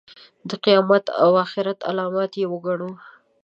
د قیامت او آخرت علامت یې وګڼو.